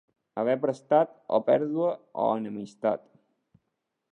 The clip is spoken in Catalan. Haver prestat o pèrdua o enemistat.